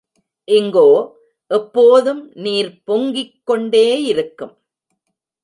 இங்கோ எப்போதும் நீர் பொங்கிக் கொண்டேயிருக்கும்.